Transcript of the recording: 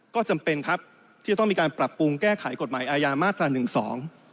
ก็จำเป็นครับที่จะต้องมีการปรับปรุงแก้ไขกฎหมายอาญามาตราหนึ่งสอง